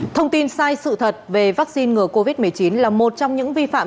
thông tin sai sự thật về vaccine ngừa covid một mươi chín là một trong những vi phạm